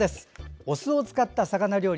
お酢を使った魚料理。